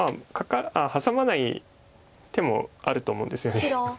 ハサまない手もあると思うんですよね。